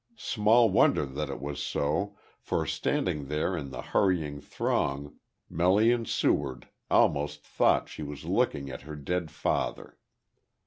Small wonder that it was so, for, standing there in the hurrying throng, Melian Seward almost thought she was looking at her dead father.